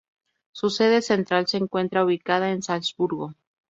Su sede central se encuentra ubicada en Salzburgo.